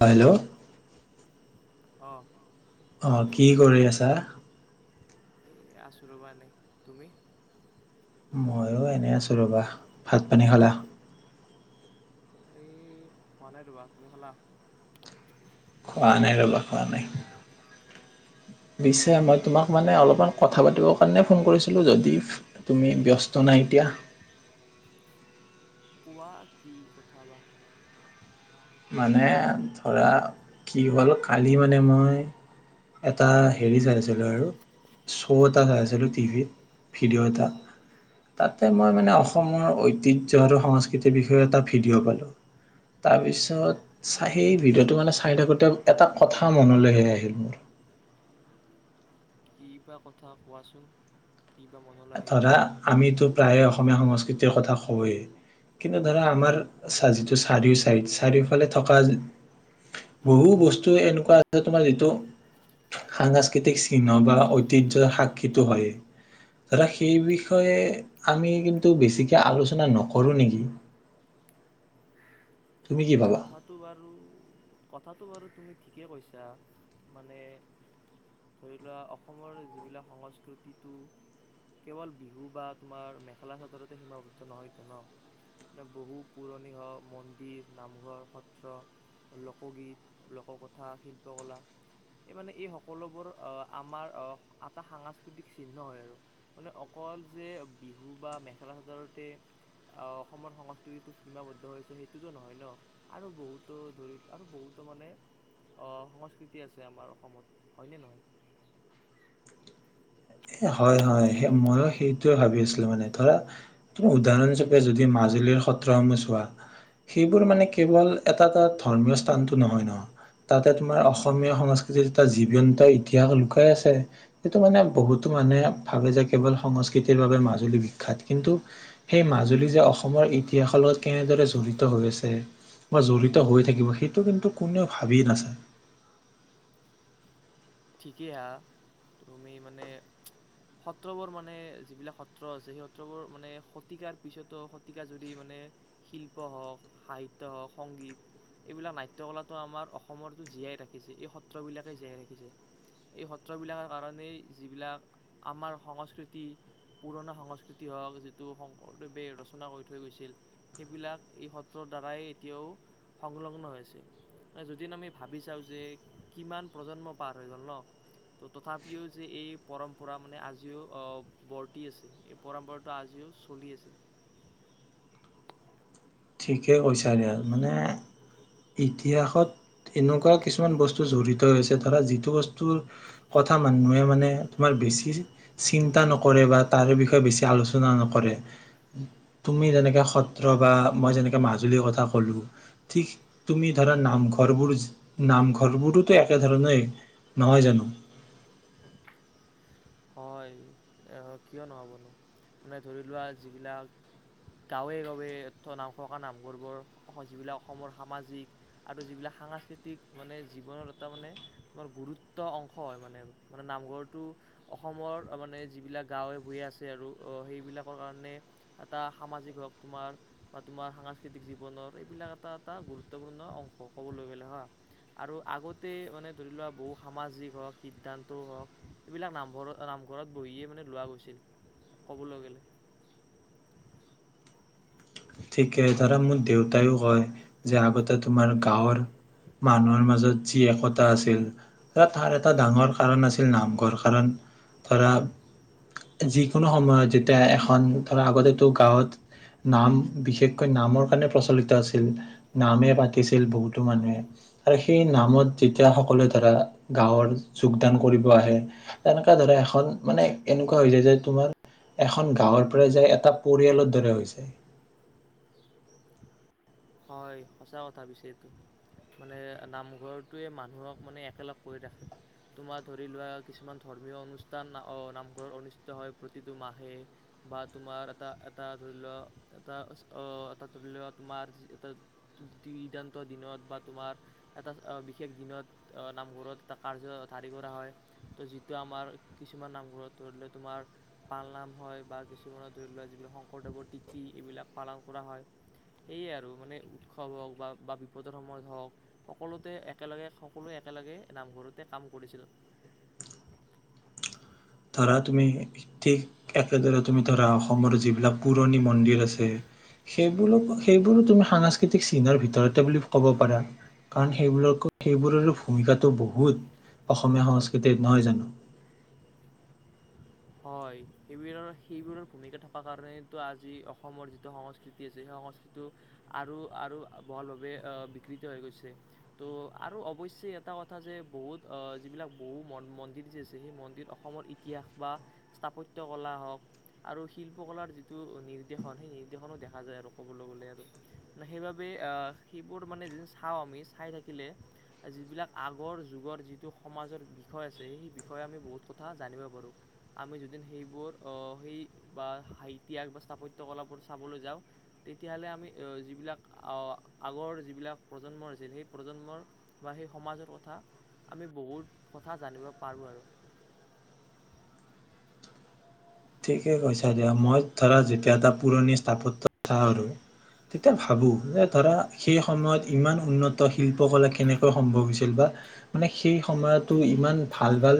Hello অঁ অঁ কি কৰি আছা এ আছু ৰবা এনে। তুমি? ময়ো এনেই আছোঁ ৰ'বা ভাত পানী খালা এই খোৱা নাই তবা তুমি খালা খোৱা নাই ৰব খোৱা নাই পিছে মই তোমাক মানে অঁ অলপমান কথা পাতিবৰ কাৰণে ফোন কৰিছিলোঁ যদি তুমি ব্যস্ত নাই এতিয়া কোৱা কি কথা বা মানে ধৰা কি হ'ল কালি মানে মই এটা হেৰি চাইছিলোঁ আৰু শ্ব' এটা চাইছিলোঁ টিভিত ভিডিঅ' এটা তাতে মই মানে অসমৰ ঐতিহ্য আৰু সংস্কৃতিৰ বিষয়ে এটা ভিডিঅ' পালোঁ তাৰপিছত হা পিছত চাহেই ভিডিঅ'টো মানে চাই থাকোতে এটা কথা মনলৈ সে আহিল [inaudible] মনলৈ আহিল ধৰা তোমাৰ আমিতো এনেকুৱা প্ৰায়ে অসমীয়া সংস্কৃতিৰ কথা হয় কিন্তু ধৰা আমাৰ যিটো চাৰিও চাৰি চাৰিওফালে থকা বহু বস্তু এনেকুৱা আছে তোমাৰ যিটো সাংস্কৃতিক চিহ্ন বা ঐতিহ্য সাক্ষীটো হয় দাদা সেই বিষয়ে আমি কিন্তু বেছিকৈ আলোচনা নকৰোঁ নেকি তুমি কি ভাবা কথাটো বাৰু কথা বাৰু তুমি ঠিকে কৈছা মানে ধৰি লোৱা অসমৰ যিবিলাক সংস্কৃতিটো কেৱল বিহু বা তোমাৰ মেখেলা চাদৰতে সীমাবদ্ধ নহয়তো ন বহু পুৰণি মন্দিৰ নাম ঘৰ সত্ৰ লোকগীত লোককথা শিল্পকলা এই মানে এই সকলোবোৰ আমাৰ এটা সাংস্কৃতিক চিহ্ন হয় আৰু মানে অকল যে বিহু বা মেখেলা চাদৰোতে অসমৰ সংস্কৃতিটো সীমাবদ্ধ হৈছে সেইটোতো নহয় ন আৰু বহুতো ধৰি আৰু বহুতো মানে অ সংস্কৃতি আছে আমাৰ অসমত হয়নে নহয় হয় হয় ময়ো সেইটোৱে ভাবি আছিলো মানে ধৰাম উদাহৰণ হিচূপে যদি মাজুলীৰ সত্ৰসমূহ চোৱা সেইবোৰ মানে কেৱল এটা এটা ধৰ্মীয় স্থানতটো নহয় ন তাতে তোমাৰ অসমীয়া সংস্কৃতিত এটা জীৱন্ত ইতিহাস লুকাই আছে সেইটো মানে বহুত মানে ভাবে যে কেৱল সংস্কৃতিৰ বাবে মাজুলী বিখ্যাত কিন্তু সেই মাজুলী যে অসমৰ ইতিহাসৰ লগত কেনেদৰে জড়িত হৈ আছে বা জড়িত হৈ থাকিব সেইটো কিন্তু কোনেও ভাবি নাছাই। ঠিকেই হা তুমি মানে সত্ৰবোৰ মানে যিবিলাক সত্ৰ আছে সেই সত্ৰবোৰ মানে শতিকাৰ পিছতো শতিকা যুদি মানে শিল্প হওঁক, সাহিত্য হওঁক, সংগীত এইবিলাক নাট্য কলাটো আমাৰ অসমত জীয়াই ৰাখিছে এই সত্ৰবিলাকে জীয়াই ৰাখিছে। এই সত্ৰবিলাকৰ কাৰণেই যিবিলাক আমাৰ সংস্কৃতি পুৰণা সংস্কৃতি হওক যিটো শংকৰদেৱে ৰচনা কৰি থৈ গৈছিল সেইবিলাক এই সত্ৰৰ দ্বাৰাই এতিয়াও সংলগ্ন হৈছে আছে। যিদিন আমি ভাবি চাওঁ যে কিমান প্ৰজন্ম পাঠ ন তথাপিও যে এই পৰম্পৰা মানে আজিও বৰ্তি আছে এই পৰম্পৰাটো আজিও চলি আছে। ঠিকে কৈছা দিয়া। মানে ইতিহাসত এনেকুৱা কিছুমান বস্তু জড়িত হৈছে ধৰা যিটো বস্তুৰ কথা মানুহে মানে তোমাৰ বেছি চিন্তা নকৰে বা তাৰে বিষয়ে বেছি আলোচনা নকৰে তুমি তেনেকে সত্ৰ বা মই যেনেকা মাজুলীৰ কথা কলো। ঠিক তুমি ধৰা নামঘৰ বোৰ নামঘৰ বোৰটো একেধৰণৰ। নহয় জানো? হয় কিয় নহ'বনো মানে ধৰি লোৱা যিবিলাক গাঁৱে গাঁৱে নাম থকা নামঘৰবোৰ যিবিলাক অসমৰ সামাজিক আৰু যিবিলাক সাংস্কৃতিক মানে জীৱনৰ এটা মানে তোমাৰ গুৰুত্ব অংশ হয়। মানে মানে নামঘৰটো অসমৰ মানে যিবিলাক গাঁৱে ভূঞে আছে আৰু সেইবিলাকৰ কাৰণে এটা সামাজিক হওক তোমাৰ বা তোমাৰ সাংস্কৃতিক জীৱনৰ এইবিলাক এটা এটা গুৰুত্বপূৰ্ণ অংশ ক'বলৈ গ'লে হ আৰু আগতে মানে ধৰি লোৱা বহু সামাজিক হওক সিদ্ধান্তও হওক এইবিলাক নাম ঘৰত নামঘৰত বহিয়ে মানে লোৱা গৈছিল। ক'বলৈ গ'লে ঠিকে ধৰা মোৰ দেউতাইও কয় যে আগতে তোমাৰ গাঁৱৰ মানুহৰ মাজত যি একতা আছিল ধৰা তাৰ এটা ডাঙৰ কাৰণ আছিল নামঘৰ কাৰণ ধৰা যিকোনো সময়ত যেতিয়া এখন ধৰা আগতেতো গাঁৱত নাম বিশেষকৈ নামৰ কাৰণে প্ৰচলিত আছিল। নামে পাতিছিল বহুতো মানুহে আৰু সেই নামত যেতিয়া সকলোৱে ধৰা গাঁৱৰ যোগদান কৰিব আহে তেনেকুৱা ধৰা এখন মানে এনেকুৱা হৈ যায় যে তোমাৰ এখন গাঁৱৰ পৰা যায় এটা পৰিয়ালৰ দৰে হৈ যায়। হয় সঁচা কথা পছে এইটো মানে নামঘৰটোৱে মানুহক মানে একেলগ কৰি ৰাখে তোমাৰ ধৰি লোৱা কিছুমান ধৰ্মীয় অনুষ্ঠান আহ নামঘৰত অনুষ্ঠিত হয় প্ৰতিটো মাহে বা তোমাৰ এটা এটা ধৰি লোৱা এটা আহ এটা ধৰি লোৱা তোমাৰ দান্ত দিনত বা তোমাৰ এটা বিশেষ দিনত নামঘৰত এটা কাৰ্য ধাৰী কৰা হয় তো যিটো আমাৰ কিছুমান নামঘৰত ধৰি লোৱাক তোমাৰ পালনাম হয় বা কিছুমানৰ ধৰি লওোৱা যিবিলাক শংকৰদেৱৰ তিথি এইবিলাক পালন কৰা হয়। সেয়ে আৰু মানে উৎসৱ হওক বা বা বিপদৰ সময়ত হওক সকলোতে একেলগে সকলোৱে একেলগে নামঘৰতে কাম কৰিছিল। ধৰা তুমি ঠিক একেদৰে তুমি ধৰা অসমৰ যিবিলাক পুৰণি মন্দিৰ আছে সেইবোৰক সেইবোৰো তুমি সাংস্কৃতিক চিনৰ ভিতৰতে বুলি ক'ব পাৰা। কাৰণ সেইবোৰো সেইবোৰৰ ভূমিকাটো বহুত অসমীয়া সংস্কৃতি নহয় জানো হয় সেইবোৰৰ সেইবোৰৰ ভূমিকা থকা কাৰণেতো আজি অসমৰ যিটো সংস্কৃতি আছে সেই সংস্কৃতিটো আৰু আৰু বহলভাৱে বিকৃত হৈ গৈছে ত' আৰু অৱশ্যে এটা কথা যে বহুত যিবিলাক বহু মন্দিৰ যি আছে সেই মন্দিৰ অসমৰ ইতিহাস বা স্থাপত্য কলা হওঁক আৰু শিল্পকলাৰ যিটো নিৰ্দেশনা সেই নিৰ্দেশনো দেখা যায় আৰু ক'বলৈ গ'লে আৰু সেইবাবে সেইবোৰ মানে য চাওঁ আমি চাই থাকিলে যিবিলাক আগৰ যুগৰ যিটো সমাজৰ বিষয় আছে সেই বিষয়ে আমি বহুত কথা জানিব পাৰোঁ। আমি যদি সেইবোৰ সেই বা সাহিতয়াস বা স্থাপত্য কলাবোৰ চাবলৈ যাওঁ তেতিয়াহ'লে আমি যিবিলাক আগৰ যিবিলাক প্ৰজন্ম আছিল। সেই প্ৰজন্মৰ বা সেই সমাজৰ কথা আমি বহুত কথা জানিব পাৰোঁ। আৰু ঠিকে কৈছা দিয়া মই ধৰা যেতিয়া এটা পুৰণি স্থাপত্য়থা আৰু তেতিয়া ভাবো যে ধৰা সেই সময়ত ইমান উন্নত শিল্পকলা কেনেকৈ সম্ভৱ হৈছিল। বা মানে সেই সময়তো ইমান ভাল ভাল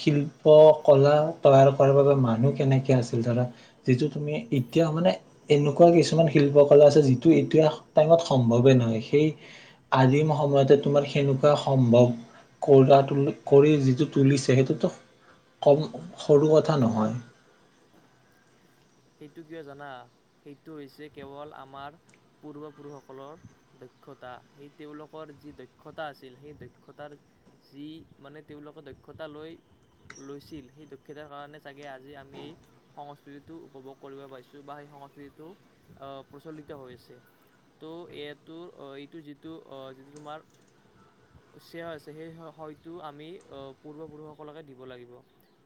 শিল্প কলা তৈয়াৰ কৰাৰ বাবে মানুহ কেনেকে আছিল ধৰা যিটো তুমি এতিয়া মানে এনেকুৱা কিছুমান শিল্প কলা আছে যিটো এতিয়া টাইমত সম্ভৱে নহয় সেই আদিম সময়তে তোমাৰ সেনেকুৱা সম্ভৱ কৰা কৰি যিটো তুলিছে সেইটোতো কম সৰু কথা নহয় সেইটো কিয় জানা সেইটো হৈছে কেৱল আমাৰ পূৰ্বপুৰুষসকলৰ দক্ষতা সেই তেওঁলোকৰ যি দক্ষতা আছিল। সেই দক্ষতাৰ যি মানে তেওঁলোকৰ দক্ষতা লৈ লৈছিল সেই দক্ষতাৰ কাৰণে চাগে আজি আমি এই সংস্কৃতিটো উপভোগ কৰিব পাৰিছোঁ বা সেই সংস্কৃতিটো প্ৰচলিত হৈ আছে ত' এইটোৰ এইটো যিটো যিটো তোমাৰ শ্ৰেয় আছে সেই হয়টো আমি পূৰ্বপুৰুষসকলকে দিব লাগিব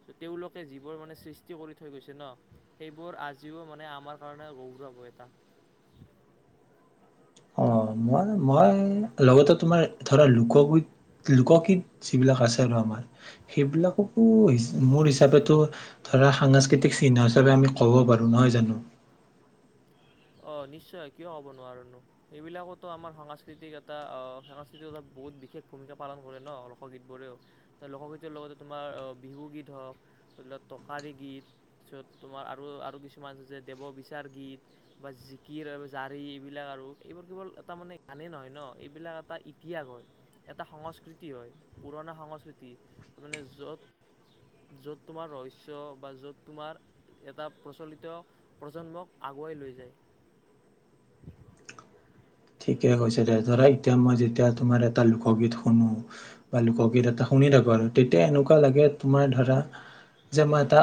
ত' তেওঁলোকে যিবোৰ মানে সৃষ্টি কৰি থৈ গৈছে ন সেইবোৰ আজিও মানে আমাৰ কাৰণে গৌৰৱ এটা। অ মই লগতে তোমাৰ ধৰা লোকগীত লোকগীত যিবিলাক আছে আৰু আমাৰ সেইবিলাককো মোৰ হিচাপে ধৰা সাংস্কৃতিক চিহ্ন হিচাপে আমি কব পাৰো। নহয় জানো অঁ নিশ্চয় কিয় ক'ব নোৱাৰনো এইেবিলাকতো আমাৰ সাংস্কৃতিক এটা সাংস্কৃতিক এটা বহুত বিশেষ ভূমিকা পালন কৰে ন লোকগীতবোৰেও লোকগীতৰ লগতে তোমাৰ বিহুগীত হওক ধৰি লক টকাৰী গীত তাৰপিছত তোমাৰ আৰু আৰু কিছুমান আছে যে দেৱ বিচাৰ গীত বা জিকিৰ জাৰি এইবিলাক আৰু এইবোৰ কেৱল এটা মানে গানেই নহয় ন এইবিলাক এটা ইতিহাস হয় এটা সংস্কৃতি হয় পুৰণা সংস্কৃতি মানে যত যত তোমাৰ ৰহস্য় বা য'ত তোমাৰ এটা প্ৰচলিত প্ৰজন্মক আগ আগুৱাই লৈ যায়। ঠিকে কৈছে দে ধৰা এতিয়া মই যেতিয়া তোমাৰ এটা লোকগীত শুনো বা লোকগীত এটা শুনি থাকো আৰু তেতিয়া এনেকুৱা লাগে তোমাৰ ধৰা যে মই এটা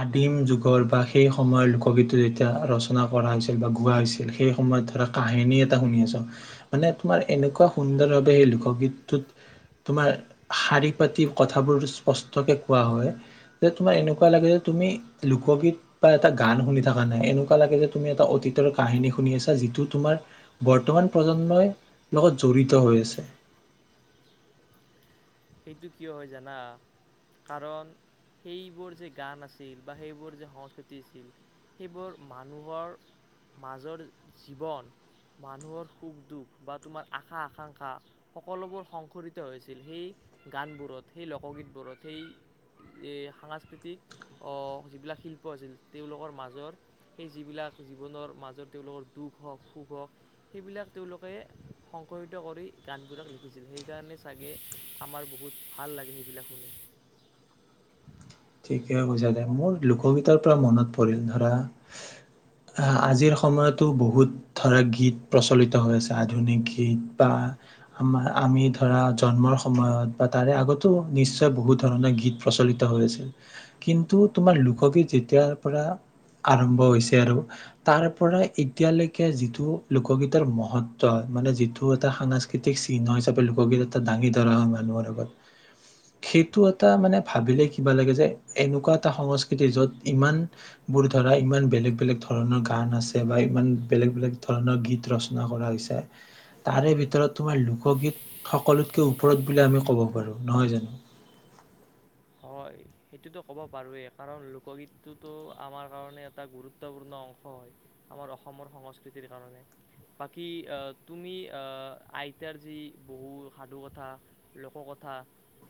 আদিম যুগৰ বা সেই সময়ৰ লোকগীতটো যেতিয়া ৰচনা কৰা হৈছিল বা গোৱা হৈছিল সেই সময়ত ধৰা কাহিনী মানে তোমাৰ এনেকুৱা সুন্দৰ ভাৱে সেই লোকগীতটোত তোমাৰ শাৰী পাতি কথাবোৰ স্পষ্টকে কোৱা হয়। যে তোমাৰ এনেকুৱা লাগে যে তুমি লোকগীত বা এটা গান শুনি থকা নাই এনেকুৱা লাগে যে তুমি এটা অতীতৰ কাহিনী শুনি আছা যিটো তোমাৰ বৰ্তমান প্ৰজন্মই লগত জড়িত হৈ আছে। সেইটো কিয় হয় জানা? কাৰণ সেইবোৰ যে গান আছিল বা সেইবোৰ যে সংস্কৃতি আছিল সেইবোৰ মানুহৰ মাজৰ জীৱন। মানুহৰ সুখ দুখ বা তোমাৰ আশা আকাংক্ষা সকলোবোৰ সংশৰিত হৈছিল সেই গানবোৰত সেই লোকগীতবোৰত সেই এই সাংস্কৃতিক অ', সেইবিলাক শিল্প আছিল তেওঁলোকৰ মাজত সেই যিবিলাক জীৱনৰ মাজত তেওঁলোকৰ দুখ হওঁক সুখ হওঁক সেইবিলাক তেওঁলোকে সংকৰিত কৰি গানবোৰত লিখিছিল সেইকাৰণে চাগে আমাৰ বহুত ভাল লাগে সেইবিলাক শুনি। ঠিকে কৈছে মোৰ লোকগীতৰ পৰা মনত পৰিল ধৰা আজিৰ সময়তো বহুত ধৰা গীত প্ৰচলিত হৈ আছে আধুনিক গীত বা আমাৰ আমি ধৰা জন্মৰ সময়ত বা তাৰে আগতো নিশ্চয় বহুত ধৰণৰ গীত প্ৰচলিত হৈ আছিল। কিন্তু তোমাৰ লোকগীত যেতিয়াৰ পৰা আৰম্ভ হৈছে আৰু তাৰ পৰা এতিয়ালৈকে যিটো লোকগীতৰ মহত্ব মানে যিটো এটা সাংস্কৃতিক চিহ্ন হিচাপে লোকগীত এটা দাঙি ধৰা হয় মানুহৰ আগত সেইটো এটা মানে ভাবিলে কিবা লাগে যে এনেকুৱা এটা সংস্কৃতি য'ত ইমান বোৰ ধৰা ইমান বেলেগ, বেলেগ ধৰণৰ গান আছে বা ইমান বেলেগ বেলেগ ধৰণৰ গীত ৰচনা কৰা হৈছে তাৰে ভিতৰত তোমাৰ লোকগীত সকলোতকে ওপৰত বুলি আমি কব পাৰো নহয় জানো? হয় সেইটোতো ক'ব পাৰোঁৱেই কাৰণ লোকগীতটোতো আমাৰ কাৰণে এটা গুৰুত্বপূৰ্ণ অংশ হয় আমাৰ অসমৰ সংস্কৃতিৰ কাৰণে বাকী তুমি আ আইতাৰ যি বহু সাধুকথা, লোককথা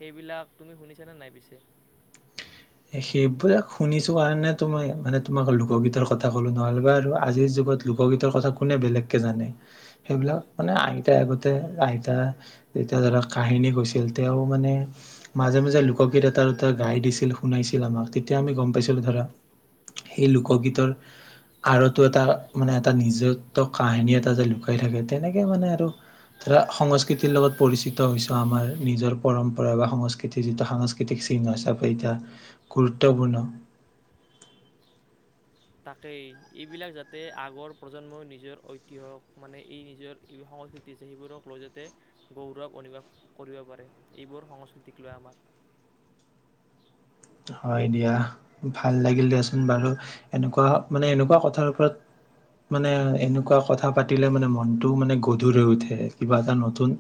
সেইবিলাক তুমি শুনিছনেে নাই পিছে? সেইবিলাক শুনিছো কাৰণতো মই মানে তোমাক লোকগীতৰ কথা ক'লো নহ'লে বা আৰু আজিৰ যুগত লোকগীতৰ কথা কোনে বেলেগকে জানে সেইবিলাক মানে আইতাই আগতে আইতা যেতিয়া ধৰা কাহিনী কৈছিল তেওঁ মানে মাজে, মাজে লোকগীত এটা দুটা গাই দিছিল শুনাইছিল আমাক তেতিয়া আমি গম পাইছিলো ধৰা। সেই লোকগীতৰ আৰতো এটা মানে এটা নিজত্ব কাহিনী এটা যে লুকাই থাকে তেনেকে মানে আৰু ধৰা সংস্কৃতিৰ লগত পৰিচিত হৈছো আমাৰ নিজৰ পৰম্পৰা বা সংস্কৃতিৰ যিটো সাংস্কৃতিক চিহ্ন হিচাপে এতিয়া গুৰুত্বপূৰ্ণ। তাকেই এইবিলাক যাতে আগৰ প্ৰজন্মই নিজৰ ঐতিহ্যক মানে এই নিজৰ সংস্কৃতি সেইবোৰক লৈ যাতে গৌৰৱ অনুভৱ কৰিব পাৰে এইবোৰ সংস্কৃতিক লৈ আমাৰ। হয় দিয়া। ভাল লাগিল দিয়াচোন বাৰু এনেকুৱা মানে এনেকুৱা কথাৰ ওপৰত মানে এনেকুৱা কথা পাতিলে মানে মনটো মানে গধুৰ হৈ উঠে কিবা এটা নতুন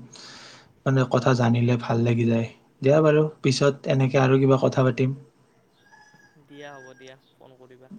মানে কথা জানিলে ভাল লাগি যায়, দিয়া বাৰু পিছত এনেকে আৰু কিবা কথা পাতি তিম দিয়া হ'ব দিয়া। ফোন কৰিবা।